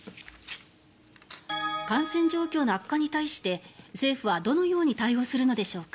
感染状況の悪化に対して政府はどのように対応するのでしょうか。